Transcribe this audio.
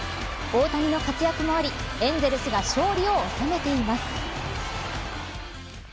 大谷の活躍もありエンゼルスが勝利を収めています。